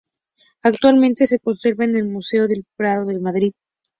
Actualmente se conserva en el Museo del Prado de Madrid.